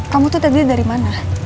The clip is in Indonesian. kamu itu tadi dari mana